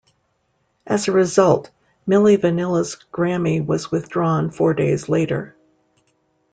As a result, Milli Vanilli's Grammy was withdrawn four days later.